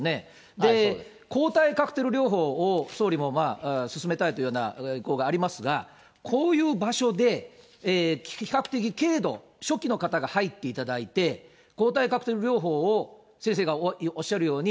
で、抗体カクテル療法を総理も進めたいというような意向がありますが、こういう場所で、比較的、軽度、初期の方が入っていただいて、抗体カクテル療法を、先生がおっしゃるように、